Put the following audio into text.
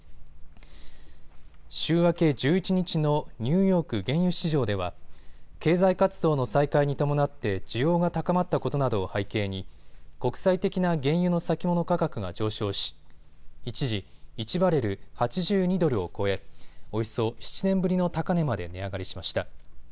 週明け１１日のニューヨーク原油市場では経済活動の再開に伴って需要が高まったことなどを背景に国際的な原油の先物価格が上昇し一時、１バレル８２ドルを超えおよそ７年ぶりの高値まで値上がりしました。